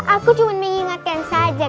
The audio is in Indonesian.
aku cuma mengingatkan saja